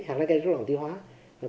hẳn là gây rất là tiêu hóa